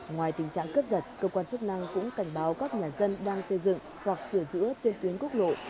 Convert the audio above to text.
ngoài tình trạng cướp giật cơ quan chức năng cũng cảnh báo các nhà dân đang xây dựng hoặc sửa chữa trên tuyến quốc lộ